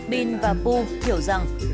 bin và pu hiểu rằng